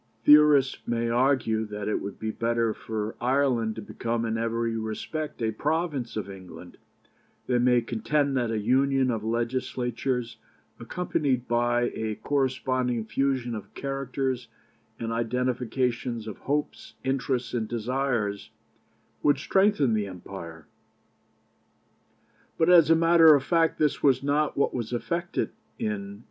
Theorists may argue that it would be better for Ireland to become in every respect a province of England; they may contend that a union of Legislatures, accompanied by a corresponding fusion of characters and identification of hopes, interests, and desires, would strengthen the empire; but as a matter of fact this was not what was effected in 1800.